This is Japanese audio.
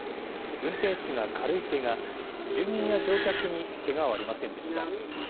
運転手が軽いけが、住民や乗客にけがはありませんでした。